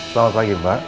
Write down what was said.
selamat pagi mbak